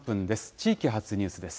地域発ニュースです。